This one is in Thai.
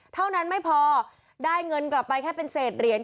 เท่านั้นไม่พอได้เงินกลับไปแค่เป็นเศษเหรียญ